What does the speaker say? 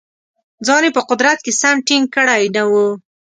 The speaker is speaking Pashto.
ځان یې په قدرت کې سم ټینګ کړی نه وو.